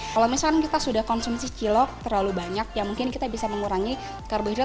kalau misalkan kita sudah konsumsi cilok terlalu banyak ya mungkin kita bisa mengurangi karbohidrat